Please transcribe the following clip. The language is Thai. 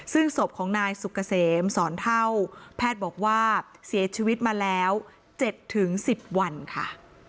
ซึ่งศพของนายสุกเกษมสอนเท่าแพทย์บอกว่าเสียชีวิตมาแล้ว๗๑๐วันค่ะ